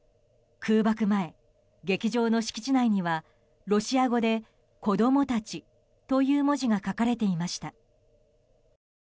空爆前、劇場の敷地内にはロシア語で「子供たち」という文字が書かれていました。